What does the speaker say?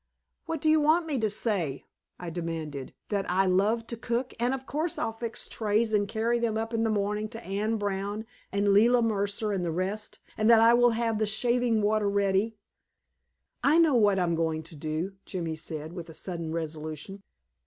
"What do you want me to say?" I demanded. "That I love to cook, and of course I'll fix trays and carry them up in the morning to Anne Brown and Leila Mercer and the rest; and that I will have the shaving water ready " "I know what I'm going to do," Jimmy said, with a sudden resolution.